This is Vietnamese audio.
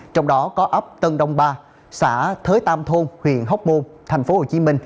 trong đó có ấp tân đông ba xã thới tam thôn huyện hóc môn tp hcm